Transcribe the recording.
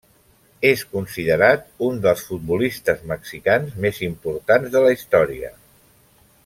És considerat un dels futbolistes mexicans més importants de la història.